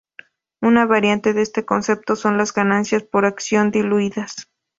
Una variante de este concepto son las ganancias por acción diluidas.